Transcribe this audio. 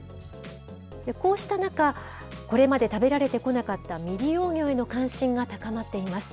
こうした中、これまで食べられてこなかった未利用魚への関心が高まっています。